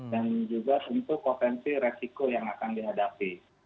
dan juga untuk potensi resiko yang akan dihadapi